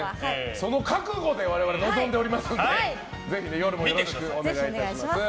その覚悟で我々臨んでおりますのでぜひ夜もよろしくお願いします。